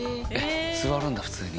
座るんだ普通に。